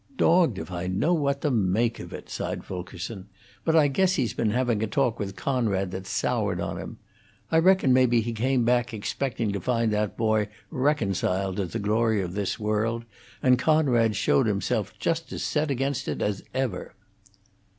"Dogged if I know what to make of it," sighed Fulkerson, "but I guess he's been having a talk with Conrad that's soured on him. I reckon maybe he came back expecting to find that boy reconciled to the glory of this world, and Conrad's showed himself just as set against it as ever."